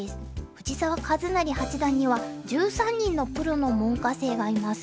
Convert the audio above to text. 藤澤一就八段には１３人のプロの門下生がいます。